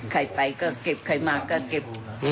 ใครไปก็เก็บใครมาก็เก็บ